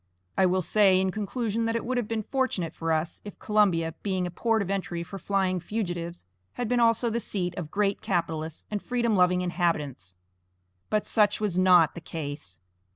I will say in conclusion that it would have been fortunate for us if Columbia, being a port of entry for flying fugitives, had been also the seat of great capitalists and freedom loving inhabitants; but such was not the case.